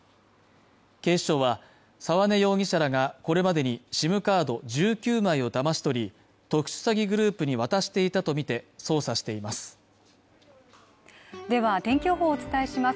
警視庁は沢根容疑者らがこれまでにＳＩＭカード１９枚をだまし取り特殊詐欺グループに渡していたとみて捜査していますでは天気予報をお伝えします